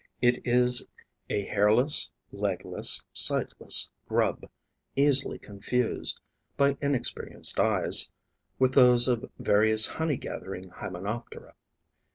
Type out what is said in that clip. It is a hairless, legless, sightless grub, easily confused, by inexperienced eyes, with those of various honey gathering Hymenoptera.